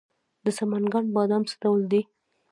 د سمنګان بادام څه ډول دي؟